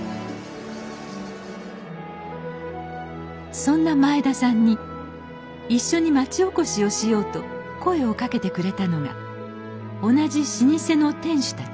そんな前田さんに一緒に町おこしをしようと声をかけてくれたのが同じ老舗の店主たち。